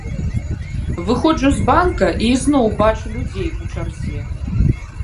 Выходжу з банка і ізноў бачу людзей у чарзе.